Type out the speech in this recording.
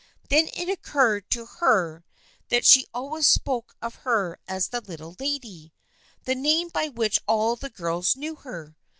Then it occurred to her that she always spoke of her as " the Little Lady," the name by which all the girls knew her.